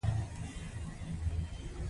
قرارداد له دوه اړخیزه حقوقي عمل څخه عبارت دی.